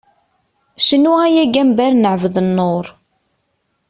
Cnu ay agambar n Ԑebdennur!